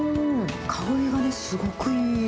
香りがね、すごくいい。